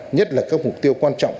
nhất là các mục tiêu quan trọng